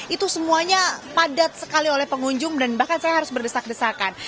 itu semuanya padat sekali oleh pengunjung dan bahkan saya harus berdesak desakan